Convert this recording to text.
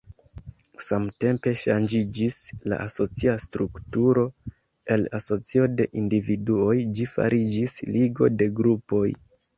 Samtempe ŝanĝiĝis la asocia strukturo: el asocio de individuoj ĝi fariĝis ligo de grupoj.